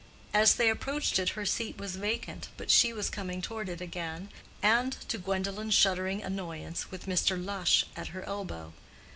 As they approached it her seat was vacant, but she was coming toward it again, and, to Gwendolen's shuddering annoyance, with Mr. Lush at her elbow.